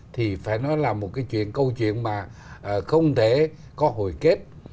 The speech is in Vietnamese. thì phải nói là một cái chuyện câu chuyện mà không thể có hồi kết